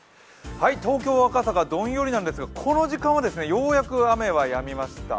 東京・赤坂どんよりなんですがこの時間はようやく雨はやみました。